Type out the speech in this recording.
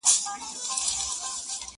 • په هغه ګړي له لاري را ګوښه سول -